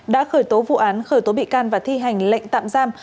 đã khởi tố vụ án khởi tố bị can và thi hành lệnh tạm giam